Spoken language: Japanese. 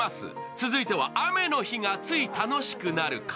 続いては、雨の日がつい楽しくなる傘。